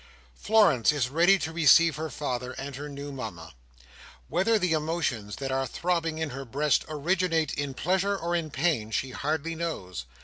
Florence is ready to receive her father and her new Mama. Whether the emotions that are throbbing in her breast originate in pleasure or in pain, she hardly knows.